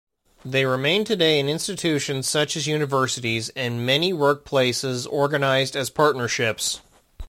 They remain today in institutions such as universities, and many workplaces organised as partnerships.